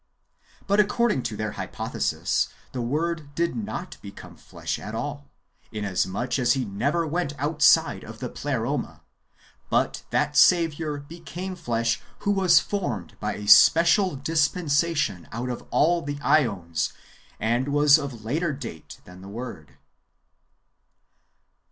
But, according to their hypothesis, the Word did not become flesh at all, inasmuch as He never went outside of the Pleroma, but that Saviour [became flesh] who was formed by a special dispensation [out of all the ^ons], and was of later date than the Word.